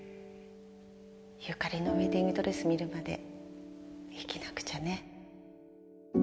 ゆかりのウエディングドレス見るまで生きなくちゃね